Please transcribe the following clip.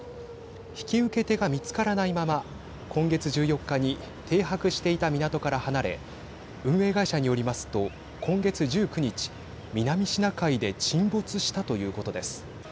引き受け手が見つからないまま今月１４日に停泊していた港から離れ運営会社によりますと今月１９日、南シナ海で沈没したということです。